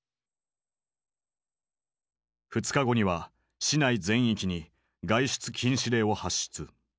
２日後には市内全域に外出禁止令を発出。